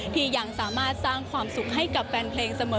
ที่ยังสามารถสร้างความสุขให้กับแฟนเพลงเสมอ